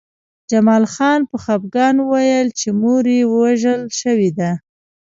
جمال خان په خپګان وویل چې مور یې وژل شوې ده